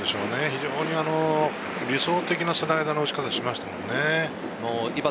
非常に理想的なスライダーの打ち方をしましたね。